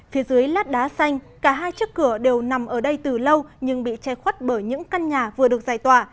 phía dưới lát đá xanh cả hai chiếc cửa đều nằm ở đây từ lâu nhưng bị che khuất bởi những căn nhà vừa được giải tỏa